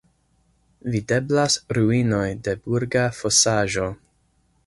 Videblas ruinoj de burga fosaĵo.